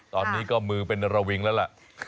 ตอนนี้ก็มือเป็นระวิงแล้วล่ะ